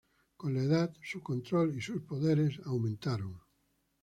Con la edad, su control y sus poderes aumentaron.